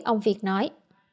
ông việt nói